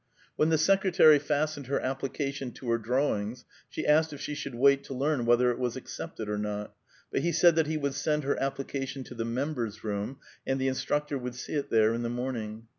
When the secretary fastened her application to her drawings, she asked if she should wait to learn whether it was accepted or not; but he said that he would send her application to the Members' Room, and the instructor would see it there in the morning.